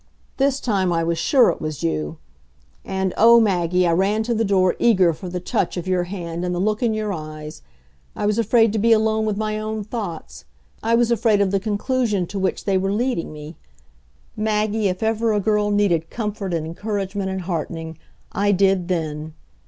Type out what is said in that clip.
This time I was sure it was you. And, O Maggie, I ran to the door eager for the touch of your hand and the look in your eyes. I was afraid to be alone with my own thoughts. I was afraid of the conclusion to which they were leading me. Maggie, if ever a girl needed comfort and encouragement and heartening, I did then.